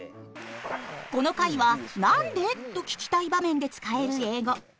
この回は「なんで？」と聞きたい場面で使える英語。